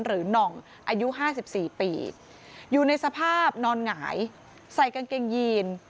หน่องอายุ๕๔ปีอยู่ในสภาพนอนหงายใส่กางเกงยีน